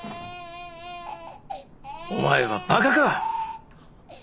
お前はバカか。